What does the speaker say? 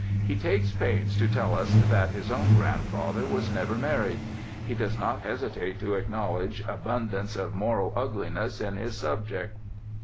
He takes pains to tell us that his own grandfather was never married. He does not hesitate to acknowledge abundance of moral ugliness in his subject.